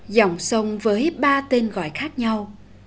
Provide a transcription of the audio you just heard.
dòng sông với ba tên gọi khác nhau